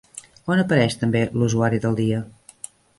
On apareix també l'«usuari del dia»?